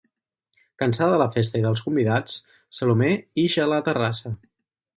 Cansada de la festa i dels convidats, Salomé ix a la terrassa.